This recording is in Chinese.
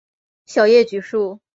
小叶榉树